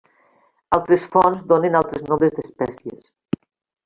Altres fonts donen altres nombres d'espècies.